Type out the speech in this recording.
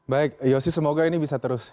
baik yosi semoga ini bisa terus